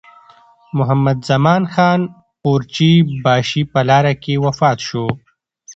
محمدزمان خان قورچي باشي په لاره کې وفات شو.